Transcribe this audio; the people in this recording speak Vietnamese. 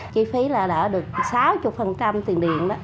chi phí là đã được sáu mươi tiền điện